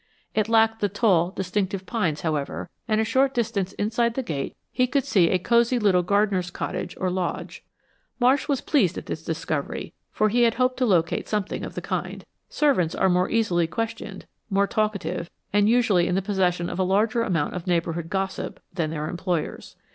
It lacked the tall, distinctive pines, however, and a short distance inside the gate he could see a cozy little gardener's cottage, or lodge. Marsh was well pleased at this discovery, for he had hoped to locate something of the kind. Servants are more easily, questioned, more talkative, and usually in the possession of a larger amount of neighborhood gossip, than their employers.